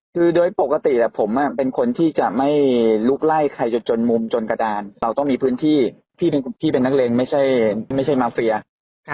คือโดยปกติผมเป็นคนที่จะไม่ลุกไล่ใครจนจนมุมจนกระดานเราต้องมีพื้นที่พี่เป็นนักเลงไม่ใช่มาเฟีย